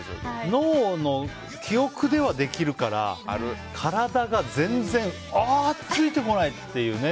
脳の記憶ではできるから体が全然ついてこないっていうね。